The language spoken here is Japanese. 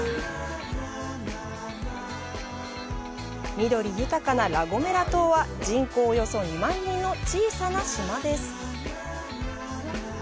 緑豊かなラ・ゴメラ島は、人口およそ２万人の小さな島です。